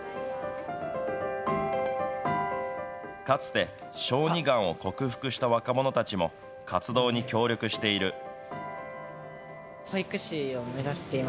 かつて、小児がんを克服した若者たちも活動に協力している。